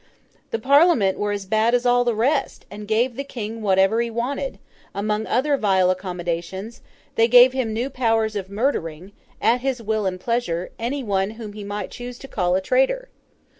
The Parliament were as bad as the rest, and gave the King whatever he wanted; among other vile accommodations, they gave him new powers of murdering, at his will and pleasure, any one whom he might choose to call a traitor.